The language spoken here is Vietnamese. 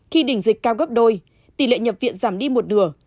khi đỉnh dịch cao gấp đôi tỷ lệ nhập viện giảm đi một nửa